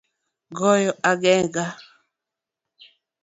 Goyo agenga